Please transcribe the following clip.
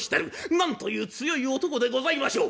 なんという強い男でございましょう。